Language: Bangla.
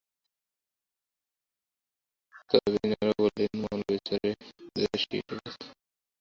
এতে তিনি আরও বলেছেন, মামলার বিচারে দোষী সাব্যস্ত হলেও ক্ষমা চাইবেন না।